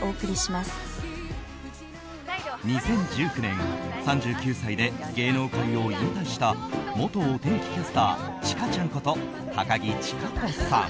２０１９年３９歳で芸能界を引退した元お天気キャスターチカちゃんこと高樹千佳子さん。